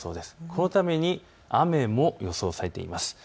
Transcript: このために雨も予想されています。